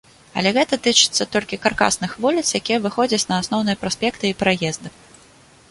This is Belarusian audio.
Але гэта тычыцца толькі каркасных вуліц, якія выходзяць на асноўныя праспекты і праезды.